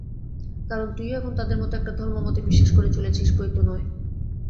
কারণ তুইও এখন তাদের মত একটা ধর্মমতে বিশ্বাস করে চলেছিস বৈ তো নয়।